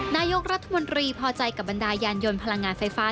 นายกรัฐมนตรีพอใจกับบรรดายานยนต์พลังงานไฟฟ้า